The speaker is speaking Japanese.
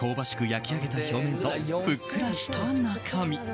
焼き上げた表面とふっくらした中身。